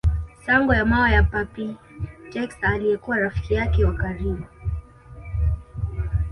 Sango ya mawa ya Papy Texaliyekuwa rafiki yake wa karibu